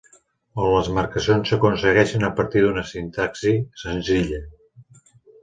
On les marcacions s'aconsegueixen a partir d'una sintaxi senzilla.